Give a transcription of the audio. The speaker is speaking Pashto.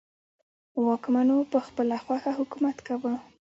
واکمنو په خپله خوښه حکومت کاوه.